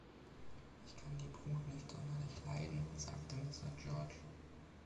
„Ich kann die Brut nicht sonderlich leiden,“ sagte Mr. George.